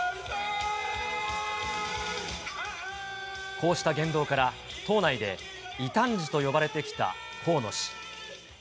こうした言動から、党内で異端児と呼ばれてきた河野氏。